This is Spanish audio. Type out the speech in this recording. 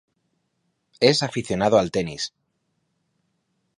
Es aficionado al tenis.